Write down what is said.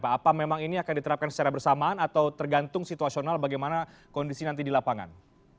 apa memang ini akan diterapkan secara bersamaan atau tergantung situasional bagaimana kondisi nanti di lapangan